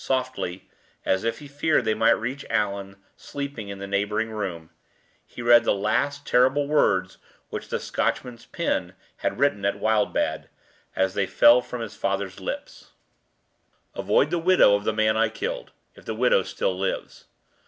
Softly as if he feared they might reach Allan, sleeping in the neighboring room he read the last terrible words which the Scotchman's pen had written at Wildbad, as they fell from his father's lips: "Avoid the widow of the man I killed if the widow still lives.